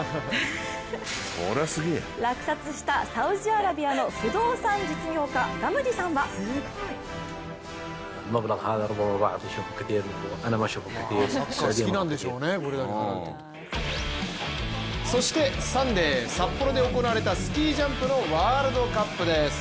落札したサウジアラビアの不動産実業家、ガムディさんはそしてサンデー札幌で行われたスキージャンプのワールドカップです。